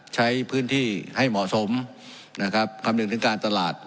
ใช้พื้นที่ให้เหมาะสมนะครับคำนึงถึงการตลาด